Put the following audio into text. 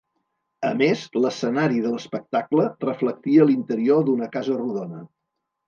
A més, l'escenari de l'espectacle reflectia l'interior d'una casa rodona.